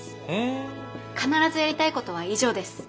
必ずやりたいことは以上です。